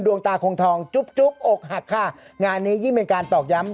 ดวงตาคงทองจุ๊บจุ๊บอกหักค่ะงานนี้ยิ่งเป็นการตอกย้ำ